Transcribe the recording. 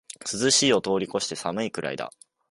涼しいを通りこして寒いくらいだ